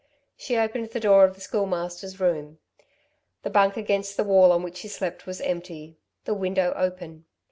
She opened the door of the Schoolmaster's room. The bunk against the wall on which he slept was empty, the window open.